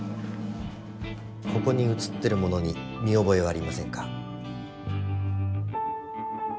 ここに写ってるものに見覚えはありませんか？